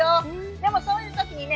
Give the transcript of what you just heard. でもそういう時にね